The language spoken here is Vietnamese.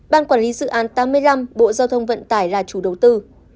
ban quản lý dự án tám mươi năm bộ giao thông vận tải là chủ đầu tư